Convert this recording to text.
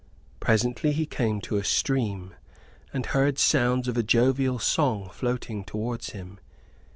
Presently he came to a stream, and heard sounds of a jovial song floating towards him.